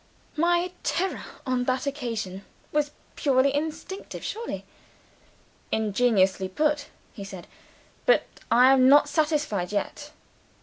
My terror, on that occasion, was purely instinctive surely?" "Ingeniously put," he said. "But I am not satisfied yet."